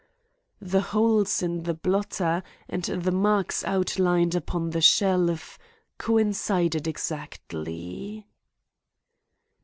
The holes in the blotter and the marks outlined upon the shelf coincided exactly.